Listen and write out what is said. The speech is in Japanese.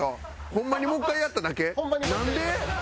ホンマにもう１回やっただけ？